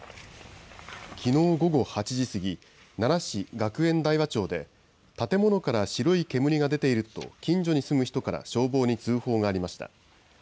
きのう午後８時過ぎ、奈良市学園大和町で建物から白い煙が出ていると、近所に住む人から消防に通報がありました。